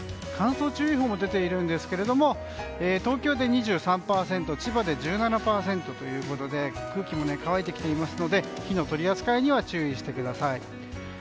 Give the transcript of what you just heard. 乾燥注意報も出ているんですが東京で２３％千葉で１７％ということで空気も乾いてきていますので火の取り扱いには注意してください。